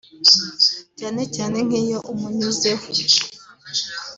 cyane cyane nkiyo umunyuzeho